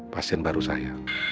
pasien baru saya